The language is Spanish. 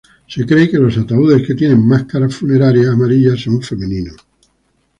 Se cree que los ataúdes que tienen máscaras funerarias amarillas son femeninos.